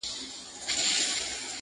ښه او بد د قاضي ټول ورته عیان سو-